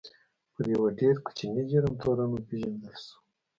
پر یوه ډېر کوچني جرم تورن وپېژندل شو.